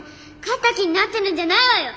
勝った気になってるんじゃないわよ！